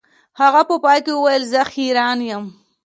هغه په پای کې وویل زه حیران یم